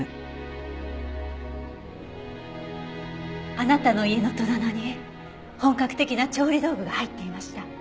あなたの家の戸棚に本格的な調理道具が入っていました。